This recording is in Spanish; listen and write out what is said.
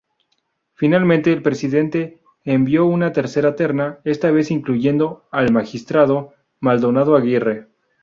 Finalmente, el presidente envió una tercera terna, esta vez incluyendo al magistrado Maldonado Aguirre.